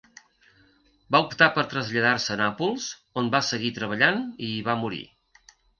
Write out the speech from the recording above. Va optar per traslladar-se a Nàpols, on va seguir treballant i hi va morir.